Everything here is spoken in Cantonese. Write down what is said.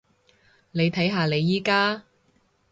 你睇下你而家？